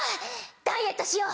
ダイエットしよう。